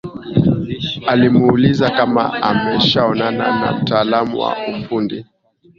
Alimuuliza kama ameshaonana na mtaalamu wa ufundi